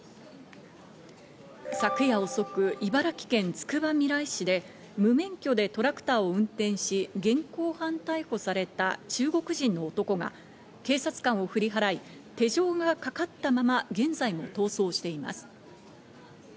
昨夜遅く、茨城県つくばみらい市で無免許でトラクターを運転し、現行犯逮捕された中国人の男が警察官を振り払い、手錠がかかったまま現在も逃走しています。